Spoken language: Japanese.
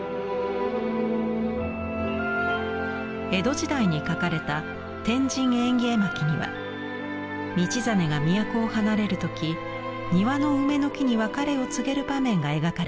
江戸時代に描かれた「天神縁起絵巻」には道真が都を離れる時庭の梅の木に別れを告げる場面が描かれています。